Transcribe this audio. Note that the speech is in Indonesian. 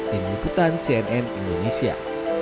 tim liputan cnn indonesia